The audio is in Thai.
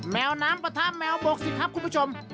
แมวน้ำปะทะแมวบกสิครับคุณผู้ชม